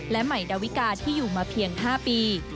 และใหม่ดาวิกาที่อยู่มาเพียง๕ปี